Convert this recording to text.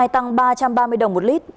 tăng ba trăm ba mươi đồng một lit